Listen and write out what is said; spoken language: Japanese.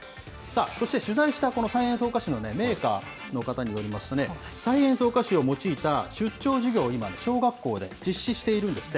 そして取材したこのサイエンスお菓子のメーカーの方によりますとね、サイエンスお菓子を用いた出張授業を今、小学校で実施しているんですって。